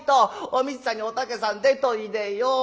おみつさんにおたけさん出といでよ。